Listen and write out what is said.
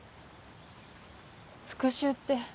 復讐って。